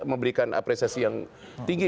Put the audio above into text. memberikan apresiasi yang tinggi